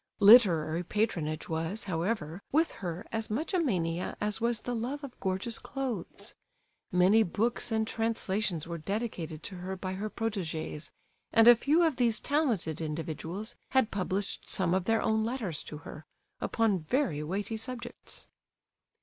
Literary patronage was, however, with her as much a mania as was the love of gorgeous clothes. Many books and translations were dedicated to her by her proteges, and a few of these talented individuals had published some of their own letters to her, upon very weighty subjects.